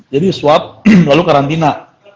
jadi swab lalu karantina